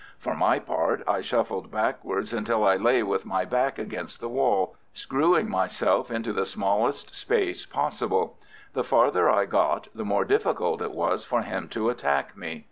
For my part I shuffled backwards until I lay with my back against the wall, screwing myself into the smallest space possible. The farther I got the more difficult it was for him to attack me.